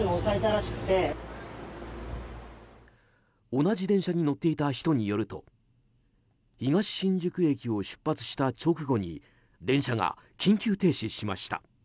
同じ電車に乗っていた人によると東新宿駅を出発した直後に電車が緊急停止しました。